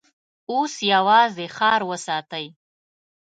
اوس يواځې ښار وساتئ!